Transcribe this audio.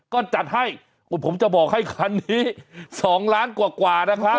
ก็จัดให้ผมจะบอกให้คันนี้๒ล้านกว่านะครับ